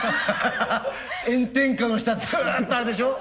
炎天下の下ずっとあれでしょ。